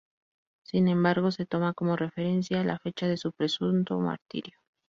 Sin embargo se toma como referencia la fecha de su presunto martirio.